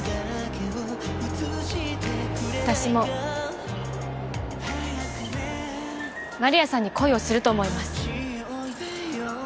私も丸谷さんに恋をすると思います。